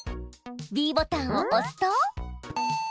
ｂボタンをおすと。